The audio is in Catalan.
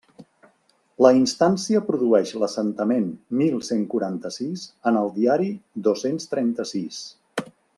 La instància produeix l'assentament mil cent quaranta-sis en el Diari dos-cents trenta-sis.